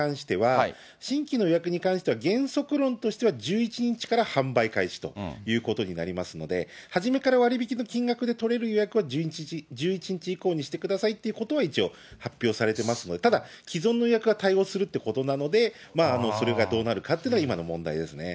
ちなみに新規の予約に関しては原則論としては１１日から販売開始ということになりますので、初めから割引の金額で取れる予約は１１日以降にしてくださいということは一応発表されてますので、ただ、既存の予約は対応するということなので、それがどうなるかっていうのが今の問題ですね。